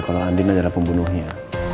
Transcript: kalau andin adalah pembunuhnya